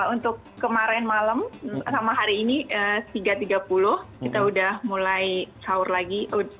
untuk kemarin malam sama hari ini tiga tiga puluh kita udah mulai sahur lagi